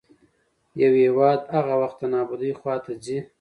يـو هـيواد هـغه وخـت د نـابـودۍ خـواتـه ځـي